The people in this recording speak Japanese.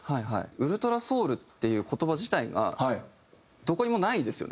「ウルトラソウル」っていう言葉自体がどこにもないですよね。